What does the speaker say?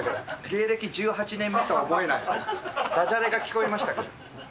芸歴１８年目とは思えないだじゃれが聞こえましたけど。